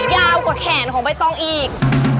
ยาวกว่าแขนของใบตองอีก